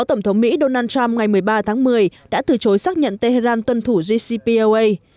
tổng thống mỹ donald trump ngày một mươi ba tháng một mươi đã từ chối xác nhận tehran tuân thủ jcpoa